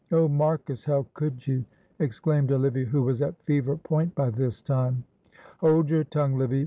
"Oh, Marcus, how could you!" exclaimed Olivia, who was at fever point by this time. "Hold your tongue, Livy!"